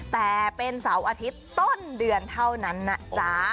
แต่เป็นเสาร์อาทิตย์ต้นเดือนเท่านั้นนะจ๊ะ